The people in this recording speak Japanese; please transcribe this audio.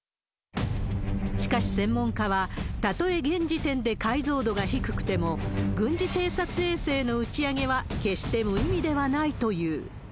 しかし専門家は、たとえ現時点で解像度が低くても、軍事偵察衛星の打ち上げは決して無意味ではないという。